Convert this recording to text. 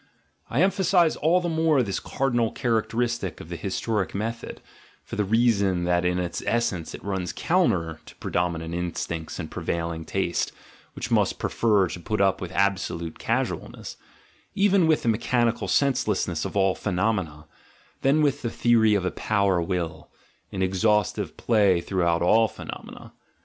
I emphasise all the more this cardi nal characteristic of the historic method, for the reason that in its essence it runs counter to predominant instincts and prevailing taste, which must prefer to put up with absolute casualness, even with the mechanical senseless ness of ail phenomena, than with the theory of a power will, in exhaustive play throughout all phenomena.